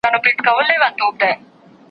په دربار كي جنرالانو بيعت وركړ